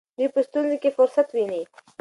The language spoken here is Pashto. دوی په ستونزو کې فرصت ویني.